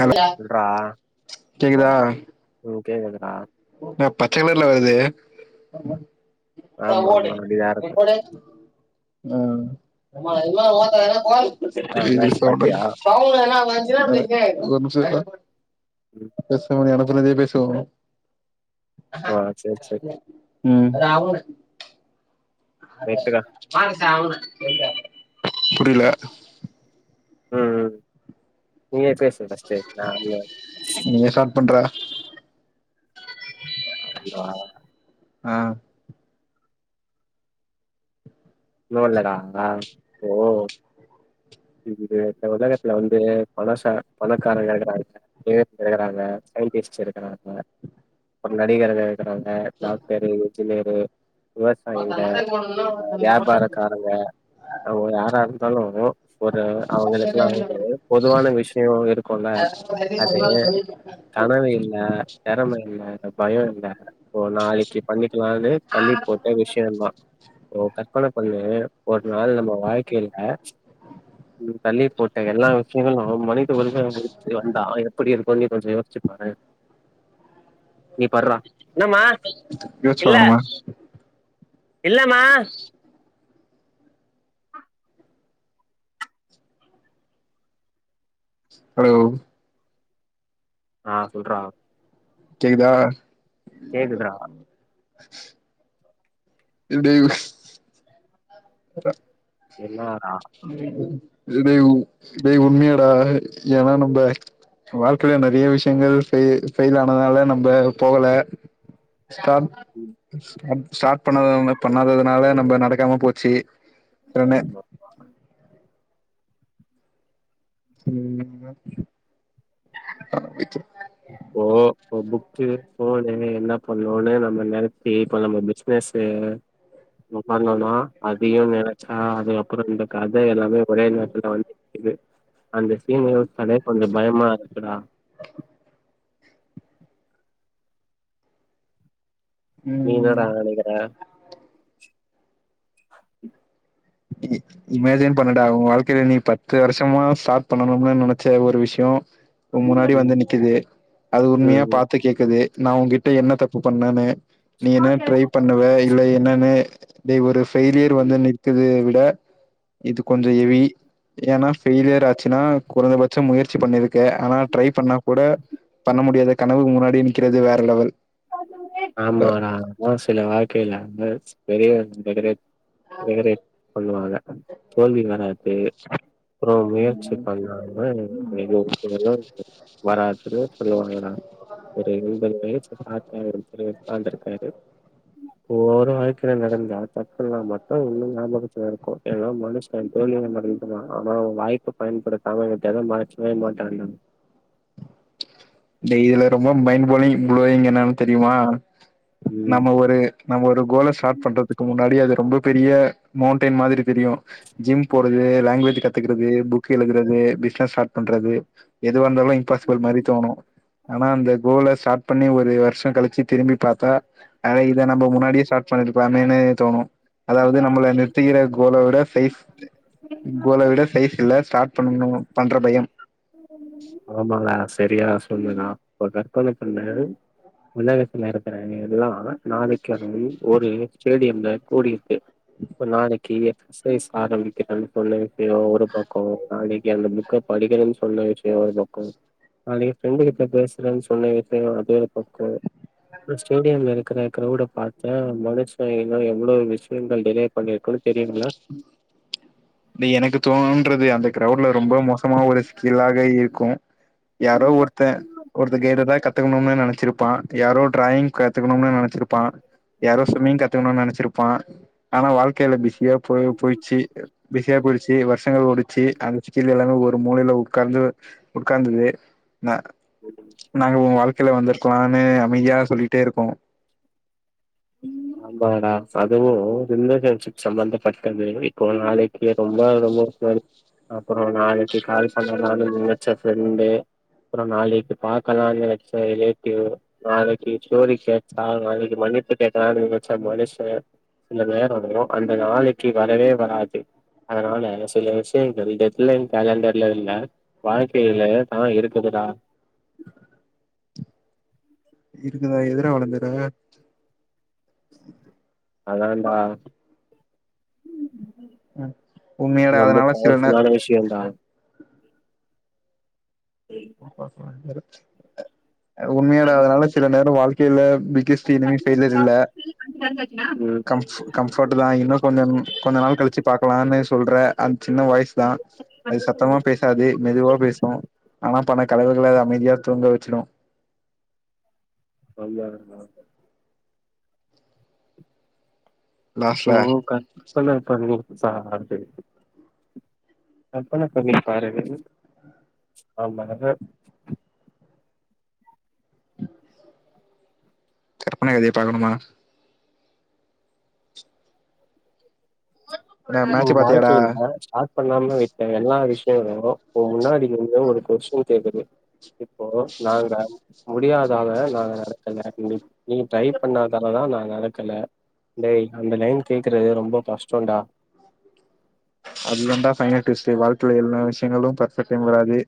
Hello சொல்றா கேக்குதா கேக்குது டா அஹ் பச்சக்களர்ல வருது அஹ் [unintelligible] ஹம் [unintelligible] ஆமா ஒரு ஆமா அப்டிதா இருக்கு ஆ மேட்ச் நிமிஷம் பாத்தியா இரு டா ம் பேசமுடிய எடக் சொன்னதே பேசுவோ ஆஹ் செரி செரி உம் அத ரைட்டுடா மாச அவன புரில உம் உம் நீயே பேசு ஃபர்ஸ்ட்டு நா நீயே ஸ்டார்ட் பண்றா அதுக்குதா ஆஹ் லொலடா நா போ இ இந்த உலகத்துல வந்து பணச பணக்காரங்க இருக்கிறாங்க ஏழையிருக்கறாங்க சயின்டிஸ்ட் இருக்கிறாங்க நடிகர்கள் இருக்றாங்க டாக்டரு இன்ஜினியரு விவசாயிங்க அ வியாபாரக்காரங்க அவங்க யாரா இருந்தாலு ஒரு அவங்களுக்கெல்லா வந்து பொதுவான விஷயோ இருக்குல அது கனவு இல்ல திறம இல்ல பயோ இல்ல ஓ நாளைக்கு பண்ணிக்கலானு தள்ளி போட்ட விஷயோ தா ஒ [unintelligible] [unintelligible] பண்ணு ஒரு நாள் நம்ம வாழ்க்கைல ம் தள்ளி போட்ட எல்லா விஷயங்களு மனித [unintelligible] வந்துட்டு வந்தா எப்டிருக்கு நீ கொஞ்சோ யோச்சு பாரு நீ பட்றா என்னமா யோசிச்சு இல்ல பாக்கணுமா இல்ல மா ஹலோ ஆ சொல்றா கேக்குதா கேக்குதுடா. [inaudible] இப்டி [inaudible] [inaudible] எல்லா [inaudible] டேய் டேய் உன் உண்மையாடா ஏனா நம்ம வாழ்க்கைல நெறைய விஷயங்கள் ஃபெல் ஃபெயில் ஆனதுனால நம்ம போகல ஸ்டாப் ஸ்டாப் ஸ்டார்ட் பண்ணாத பண்ணாதனால நம்ம நடக்காம போச்சு [unintelligible] [inaudible] [inaudible] போனு என்ன பண்ணுனு நம்ம நெனச்சி இப்ப நம்ம பிசினஸ் பண்ணுனா அதையு நெனச்சா அதுக்கப்ரோ இந்த கத எல்லாமே ஒரே நேரத்துல வந்துருக்குது அந்த சீன் யோசிச்சாலே கொஞ்சோ பயமாருக்குடா நீ ம் என்னாடா நெனைக்ற [inaudible] இமேஜின் பண்ணுடா ஒ வாழ்க்கைல நீ பத்து வருஷமா ஸ்டார்ட் பண்ணனுனு நெனைச்ச ஒரு விஷ்யோ ஒ முன்னாடி வந்து ம் நிக்குது அது உண்மையா ம் பாத்து கேக்குது நா உன் கிட்ட என்ன தப்பு பண்ணனனு நீ என்ன ட்ரை பண்ணுவ இல்ல என்னன்னு நீ ஒரு ஃபெய்லியர் வந்து நிக் விட இது கொஞ்சோ ஹெவி ஏனா ஃபெய்லியர் ஆச்சுனா கொறச்பட்சோ முயற்சி பண்ணிருக்க ஆனா ட்ரை பண்ணா கூட பண்ண முடியாத கனவு முன்னாடி நிக்கிறது வேற லெவல் ஆமா சில வாழ்க்கைல பெரிய [unintelligible] ரெக்ரேட் பண்ணுவாங்க தோல்வி வராது அப்ரோ முயற்சி பண்ணாம எந்த விஷயங்களு வராதுன்னு சொல்லுவாங்க நா ஒரு எம்பது வயசு தாத்தா ஒருத்தர் உக்காந்துருக்காரு ஒவ்வொரு வாழ்க்கையில நடந்த தடுக்கல்லா மட்டு இன்னு கிராமகட்ச இருக்கு ஏன்னா மனுஷ தொழில் நடத்துனான் ஆனா வாய்ப்பு பயன்படுத்தாம இருந்த மறக்கா வே மாட்டதா இதுல ரொம்ப மைண்ட் போலிங் ப்லோவிங் என்னன்னு தெரியுமா ம் நம்ம ஒரு நம்ம ஒரு கோல ஸ்டார்ட் பண்றதுக்கு முன்னாடி அது ரொம்ப பெரிய மவுன்டென் மாதிரி தெரியு ஜிம் போறது லாங்குவேஜ் கத்துக்கறது புக் எழுதுறது பிஸ்னஸ் ஸ்டார்ட் பண்றது எது வந்தாலு இம்பாசிபிள் மாதிரி தோணு ஆனா அந்த கோலை ஸ்டார்ட் பண்ணி ஒரு வர்சொ கழிச்சு திரும்பி பாத்தா நெறைய இத நம்ம முன்னாடியே ஸ்டார்ட் பண்ணிருக்லாமே தோணு அதாவது நம்மள நிறுத்துக்ற கோல விட சைஸ் கோல விட சைஸ் இல்ல ஸ்டார்ட் பண்ணுணு பண்ற பயம் ஆமாங்க சரியா சொல்லுங்க அப்பதா பணக்கொண்ட உலகத்துல இருக்குறங்க எல்லா நாளைக்கு அகேடமி ஒரு ஸ்டேடியம் இந்த கோடி இப்ப நாளைக்கு க்கி எக்சைஸ் ஆரம்பிக்கிறண்டு சொன்னே எப்பயோ ஒரு பக்கோ நாளைக்கு அந்த புக்க படிக்கிறேன்னு சொன்ன விஷயோ ஒரு பக்கம் நாளைக்கு ஃப்ரெண்டு கிட்ட பேசுறேன்னு சொன்ன விஷயம் அது ஒரு பக்கம் அப்ரோ ஸ்டேடியம்ல இருக்கிற கிரௌட பாத்தா மனுஷன் இன்னு எவ்வளோ விஷயங்கள் டிலே பண்ணிருக்குனு தெரியுங்களா நீ எனக்கு தோணும் ன்றது அந்த கிரவுட்ல ரொம்ப மோசமா ஒரு கீழாக இருக்கும் யாரோ ஒருத்தே ஒருத்த கேக்றதா கத்துக்கணும்னு நினைச்சிருப்ப ப்பான் யாரோ டிராயிங் கத்துக்கணும்னு நினச்சிருப்பான் யாரோ சுவிம்மிங் கத்துக்கனும் நினச்சிருப்பா ப்பான் ஆனா வாழ்க்கையில பிஸியா போய போயிச்சு பிஸியா போயிருச்சு வருஷங்கள் ஓடிச்சு அந்த சீரியல் எல்லாமே ஒரு மூலையில உட்கார்ந்து உட்கார்ந்துருவே நா நாங்க உன் வாழ்க்கையில வந்திருக்கலான்னு அமைதியா சொல்லிட்டே இருப்போ ஆமாடா அதுவு இன்டர்சன்ஷிப் சம்பந்தபட்டது இப்போ நாளைக்கு ரொம்ப ரொம்போ அப்புறோ நாளைக்கு கால் பண்ணலா முடிச்ச ஃபிரண்டு அப்றோ நாளைக்கு பாக்கலாம்னு நெனச்ச ரிலேட்டிவ் நாளைக்கு ஸ்டோரி கேட்டா நாளைக்கு மன்னிப்பு கெட்டதா நினச்ச மனுஷன் சில நேரோ அந்த நாளைக்கு வரவே வராது அதனால சில விஷயங்கள் டெத்லைன் காலண்டர்ல இல்ல வாழ்க்கையில தா இருக்குதுடா இருக்குதா எதிரா வளந்துற ம் அதான்டா உண்மையாடா ரொம்ப அதனால சில நேர பவர்ஃபுல்லான விஷயம்டா உண்மையாடா அதனால சில நேரம் வாழ்க்கையில பிக்கெஸ்ட் லிமிட் ஸ்டேஜ் இல்ல ம் கம் கம்ஃபர்ட் தா இன்னு கொஞ்சம் கொஞ்ச நாள் கழிச்சு பாக்கலான்னு சொல்ற அ சின்ன வாய்ஸ்தா அது சத்தமா பேசாது மெதுவா பேசும் பண கலவுகள அத அமைதியா தூங்க வச்சிடு சொன்னடா இப்போ லாஸ்ட்ல கர்ப்பன பண்ணி சாகாது கர்ப்பன பண்ணிப்பாரு [unintelligible] கற்பன எதைய பாக்கணுமா என்ன மேட்ச் பாத்தியாடா வாழ்க்கையில ஸ்டார்ட் பண்ணாம விட்ட எல்லா விஷயங்களும் இப்ப முன்னாடி வந்து ஒரு கொஸ்டின் கேக்குது இப்போ நாங்க முடியாதாக நாங்க நடக்கலண்ட நீ ட்ரை பண்ணதால தா நா நடக்கல டே அந்த லைன் கேக்குறது ரொம்ப கஷ்டம்டா அது தான்டா ஃபைனல் டுவிஸ்ட் வாழ்க்கையில எல்லா விஷயங்களும் பர்ஃபெக்ட வராது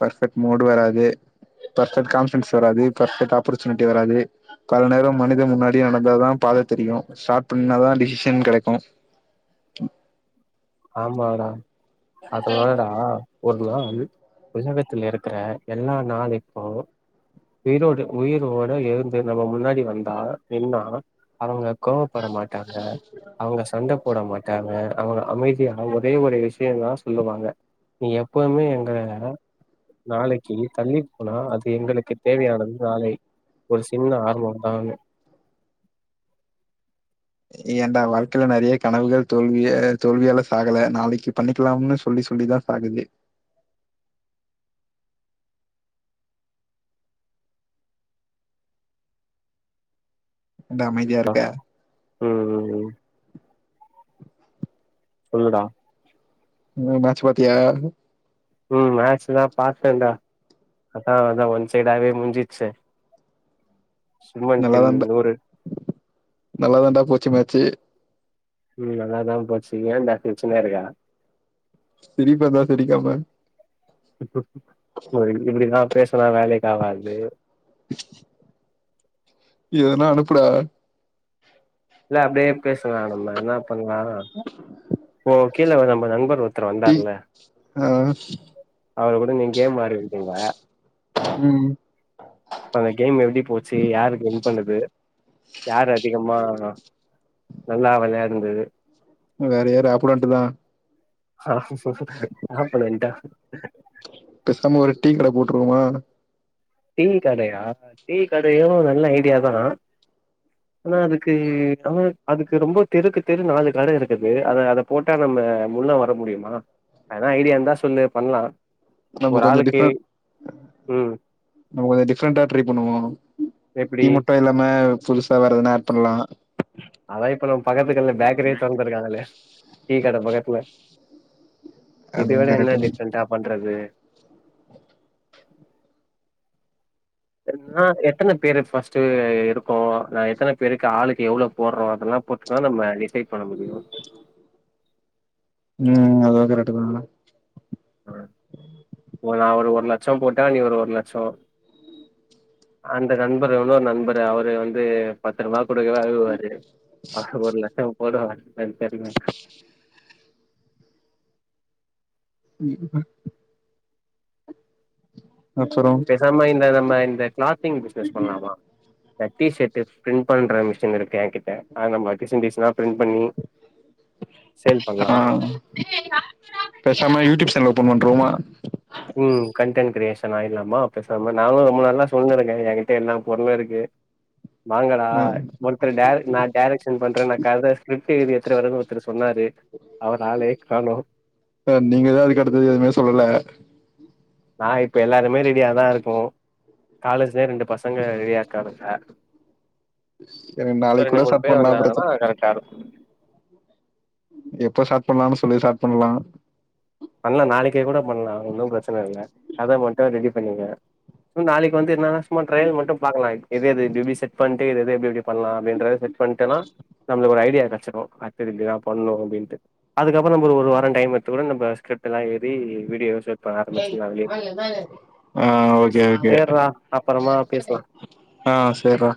பர்பெக்ட் மூடு்வராது பர்பெக்ட் கான்பிடன்ஸ் வராது பரஃபெக்ட் ஆப்பர்ச்சுனிட்டி வராது பல நேரம் மனித முன்னாடி நடந்தாதா பாத தெரியும் ஸ்டார்ட் பண்ணாதா டிசிஷன் கிடைக்கும் ஆமாடா அதோட டா ஒரு நாள் உலகத்தில் இருக்கிற எல்லா நாளைக்கும் உயிரோடு உயிரோட இருந்து நம்ம முன்னாடி வந்தா நின்னா அவங்க கோவப்பட மாட்டாங்க அவங்க சண்ட போட மாட்டாங்க அவங்க அமைதி ஒரே ஒரே விஷயம் தா சொல்லுவாங்க நீ எப்பவுமே எங்கள நாளைக்கு தள்ளி போனா அது எங்களுக்கு தேவையானது நாளை ஒரு சின்ன ஆர்வம் தான்னு ஏடா வாழ்க்கையில நிறைய கனவுகள் தோல்வி தோல்வியால சாகல நாளைக்கு பண்ணிக்கலாம்னு சொல்லி சொல்லிதா சாகுது என்டா அமைதியா இருக்க ம் ம் சொல்லுடா ம் மேட்ச் பத்தியா உம் மேட்சதா பார்த்தேன்டா அதா அதா ஒன் சைடவே முடிஞ்சிச்சே நல்லா தண்ட நல்லா தண்டா போச்சி மேட்ச்சு உம் நல்லாதா போச்சு ஏன்டா சிரிச்சனா இருக்க சிரிப்பு வந்த சிரக்காம ஒ இப்படிதா பேசலா வேலைக் காவாது எதுனா அனுப்புடா இல்ல அப்படியே பேச லா நம்ம என்ன பண்ணலா ஓ கீழ ஒரு நம்ப நண்பர் ஒருத் டி ஆஹ் அவரு கூட நீங் கேம் ஆடு அப்டிங்குவ ம் அந்த கேம் எப்டி போச்சு யாருக்கு வின் பண்ணது யாரு அதிகமா நல்லா விளையாடுந்தது வேற யார் ஆப்போனன்ட்டுதா ஆஹ ஆப்பனன்ட்டா ட்டுருவோமா டீ கடையா டீ கடயு நல்ல ஐடியாதா ஆனா அதுக்கு அ அதுக்கு ரொம்ப தெருக்கு தெரு நாலு கட இருக்குது அத அத போட்டா நம்ம முன்ன வர முடியுமா எ தனா ஐடியா இருந்தா சொல்லு பண்லா நம்ம ஒரு கொஞ்ச ஆளுக்கு டிஃப்ரெண்ட் உம் நம்ம கொஞ்ச டிஃப்ரெண்ட்டா ட்ரை பண்ணுவோ எப்டி டீ மட்டு இல்லாம புதுசா வேறெதுனா ஆட் பண்லா அதா இப்ப நம்ம பக்கத்து கடைல பேக்கரியே தொறந்துருக்காங்களே டீ கட பக்கத்துல இத அதுவு விட என்ன கரெக்ட் தா டிஃப்ரெண்டா பண்றது நா எத்தன பேரு ஃபர்ஸ்ட் இருக்கோ எத்தன பேருக்கு ஆளுக்கு எவ்ளோ போடுறோ அதெல்லா பொறுத்துதா நம்ம டிஸை பண்ண முடியு உம் அது கரக்ட்டுதா இப்ப நா ஒரு ஒரு லட்சம் போட்டா நீ ஒரு ஒரு லட்சொ அந்த நண்பரு இன்னோரு நண்பரு அவரு வந்து பத்து ரூவா குடுக்கவே அழுவாறு அவர் ஒரு லட்ச [unintelligible] [unintelligible] [unintelligible] அப்பறோ பேசாம இந்த நம்ம இந்த கிளாத்திங் பிசினஸ் பண்ணலாமா டி சர்ட் பிரிண்ட் பண்ற மிஷின் இருக்கு கு எங்கிட்ட அது நம்ம டிசைன் டிசைனா பிரிண்ட் பண்ணி சேல் ஆ பண்ணலா டியூப் சேனல் ஓப்பன் பண்ருவமா உம் கண்டென்ட் கிரியேஷன் ஆயிரலாமா பேச ம நானு ரொம்ப நல்லா [unintelligible] எல்லா பொருளு இருக்கு வாங்கடா ஆ ஒருத்தர் டார நா டேரக்ஷன் பண்றே நா கத ஸ்கிர்ஃப்ட் எழுதி எடுத்துட்டு வரேனு ஒருத்தர் சொன்னாரு அவர ஆளயே காணோ அ நீங்க தா அதுக்கு அடுத்தது எதுவுமே சொல்லல நா இப்ப எல்லாருமே ரெடியாதா இருக்கோ காலேஜ்லயே ரெண்டு பசங்க ரெடியா இருக்கானுங்க எனக்கு இன்னும் நாளைக் ரெண்டு கூட மூணு ஸ்டார்ட் பேர் பண்ணலா வந்தாங்கன்னா பிரச்ச கரெக்டா இருக்கும் எப்ப ஸ்டார்ட் பண்ணலானு சொல்லி ஸ்டார்ட் பண்ணலா பண்ணலா நாளைக்கே கூட பண்ணலா ஒன்னும் பிரச்சன இல்ல கத மட்டும் ரெடி பண்ணுங்க நாளைக்கு வந்து என்னன்னா சும்மா ட்ரையல் மட்டு பாக்கலாம் எது எது எப்டி எப்பி செட் பண்ணி [unintelligible] எப்டி இருக்கு பண்ணலாம் அப்படின்றத செட் பண்ட்டோனா நம்மளுக்கு ஒரு ஐடியா கி பண்ணும் அடுத்தது இப்டிதா பண்ணு அப்டின்ட்டு அதுக்கப்புற ஒரு வாரம் டைம் எடுத்துகூட நம்ப ஸ்கிரிப்ட்டலாம் ஏறி வீடியோ செ ஆஹ் ஓகே ஓகே சேர்றா அப்பறமா பேசலா ஆஹ் செரிடா